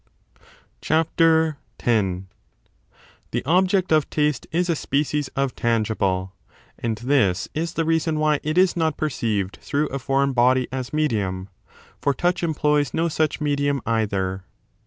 The object of taste is a species of tangible. And this is the 10 reason why it is not perceived through a foreign body as medium: for touch employs no such medium either.